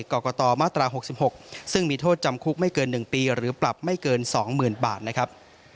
กรกตมาตรา๖๖ซึ่งมีโทษจำคุกไม่เกิน๑ปีหรือปรับไม่เกิน๒๐๐๐บาทนะครับ